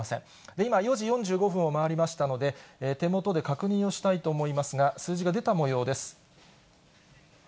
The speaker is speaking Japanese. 今、４時４５分を回りましたので、手元で確認をしたいと思いますが、数字が出たもようです。